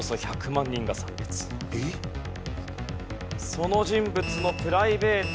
その人物のプライベート。